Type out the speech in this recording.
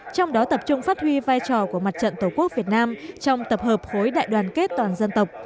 trong đó tập trung phát huy vai trò của mặt trận tổ quốc việt nam trong tập hợp khối đại đoàn kết toàn dân tộc